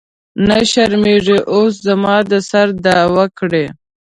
نه شرمېږې اوس زما د سر دعوه کړې.